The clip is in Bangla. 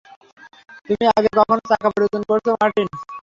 তুমি আগে কখনো চাকা পরিবর্তন করছো, মার্টিন?